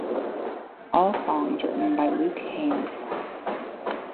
All songs written by Luke Haines.